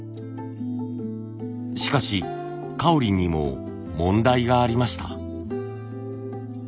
しかしカオリンにも問題がありました。